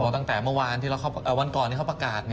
ตั้งแต่เมื่อวานวันก่อนที่เขาประกาศ